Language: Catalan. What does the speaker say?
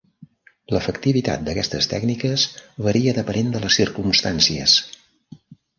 L'efectivitat d'aquestes tècniques varia depenent de les circumstàncies.